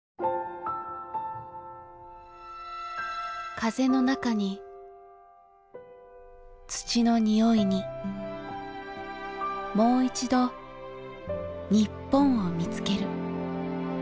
風の中に土の匂いにもういちど日本を見つける。